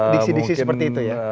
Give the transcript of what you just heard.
diksi diksi seperti itu ya